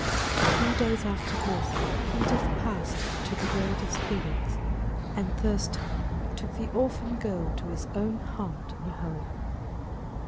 A few days after this Edith passed to the world of spirits. And Thurston took the orphan child to his own heart and home.